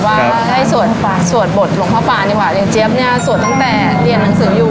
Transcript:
ว่าให้สวดบทหลวงพ่อปานดีกว่าอย่างเจี๊ยบเนี่ยสวดตั้งแต่เรียนหนังสืออยู่